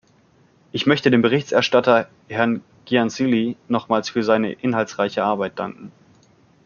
Ich möchte dem Berichterstatter, Herrn Giansily, nochmals für seine inhaltsreiche Arbeit danken.